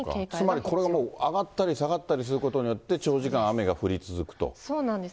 つまりこれが上がったり下がったりすることによって長時間雨そうなんです。